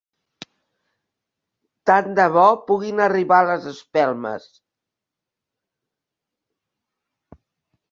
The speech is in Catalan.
Tant de bo puguin arribar les espelmes.